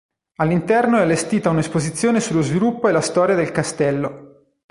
All'interno è allestita una esposizione sullo sviluppo e la storia del castello.